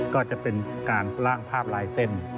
ก็จะเป็นการล่างภาพลายเส้น